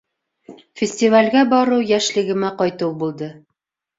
Фестивалгә барыу йәшлегемә ҡайтыу булды.